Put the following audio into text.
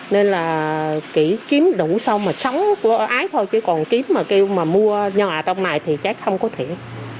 nên là kiếm đủ xong mà sống ái thôi chứ còn kiếm mà mua nhà trong này thì chắc không có thiện